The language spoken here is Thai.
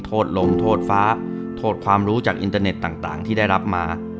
โทษลงโทษฟ้าโทษความรู้จากอินเตอร์เน็ตต่างที่ได้รับมา